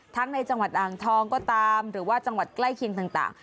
ในจังหวัดอ่างทองก็ตามหรือว่าจังหวัดใกล้เคียงต่าง